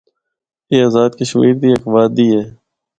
اے آزادکشمیر دی ہک وادی اے۔